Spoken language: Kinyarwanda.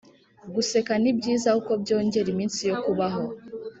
Guseka nibyiza kuko byongera iminsi yokubaho